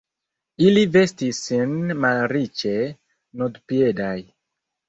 Ili vestis sin malriĉe, nudpiedaj.